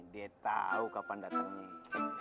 dia tau kapan dateng nih